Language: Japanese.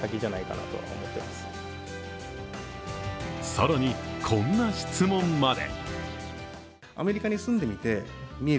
更に、こんな質問まで。